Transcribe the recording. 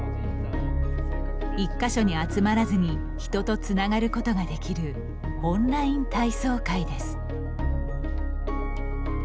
一か所に集まらずに人とつながることができるオンライン体操会です。